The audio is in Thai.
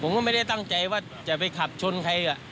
ไม่ได้ตั้งใจว่าจะไปขับชนใคร